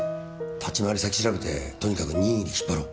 立ち回り先調べてとにかく任意で引っ張ろう。